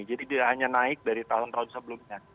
jadi dia hanya naik dari tahun tahun sebelumnya